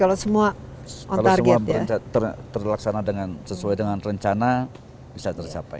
kalau semua terlaksana sesuai dengan rencana bisa tercapai